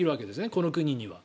この国には。